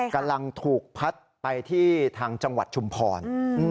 กำลังถูกพัดไปที่ทางจังหวัดชุมพร